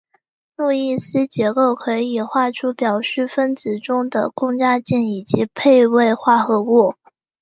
路易斯结构可以画出表示分子中的共价键以及配位化合物。